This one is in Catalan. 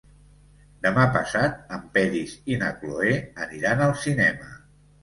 Demà passat en Peris i na Cloè aniran al cinema.